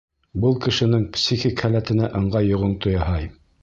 Был кешенең психик һәләтенә ыңғай йоғонто яһай.